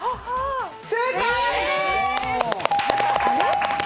正解！